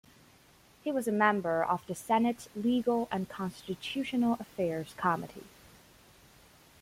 He was a member of the Senate Legal and Constitutional Affairs committee.